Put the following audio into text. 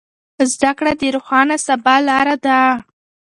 زده کړه د روښانه سبا لاره ده.